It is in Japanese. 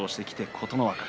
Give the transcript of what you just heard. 琴ノ若戦。